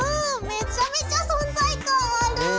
めちゃめちゃ存在感ある。